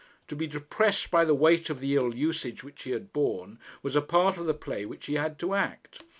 To be depressed by the weight of the ill usage which he had borne was a part of the play which he had to act.